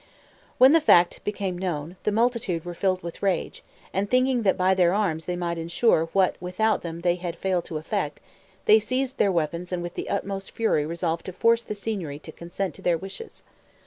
When the fact became known, the multitude were filled with rage, and thinking that by their arms they might ensure what without them they had failed to effect, they seized their weapons and with the utmost fury resolved to force the Signory to consent to their wishes.